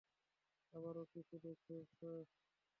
আবার কিছু দেখেছ?